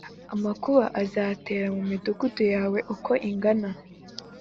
Amakuba azatera mu imidugudu yawe uko ingana